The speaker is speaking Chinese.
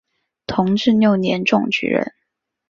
同治六年中举人。